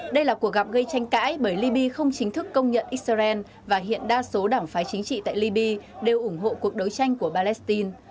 đây là cuộc gặp gây tranh cãi bởi libya không chính thức công nhận israel và hiện đa số đảng phái chính trị tại libya đều ủng hộ cuộc đấu tranh của palestine